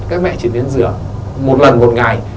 các mẹ chỉ đến rửa một lần một ngày